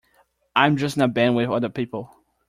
I'm just in a band with other people.